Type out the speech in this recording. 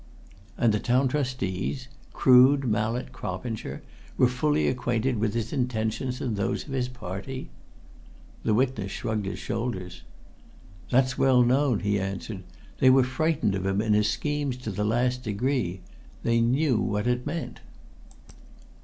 "And the Town Trustees Crood, Mallett, Coppinger were fully acquainted with his intentions and those of his party?" The witness shrugged his shoulders. "That's well known!" he answered. "They were frightened of him and his schemes to the last degree. They knew what it meant."